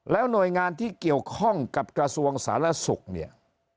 แล้วหน่วยงานที่เกี่ยวข้องกับกระทรวงศาสนศุกร์เนี่ย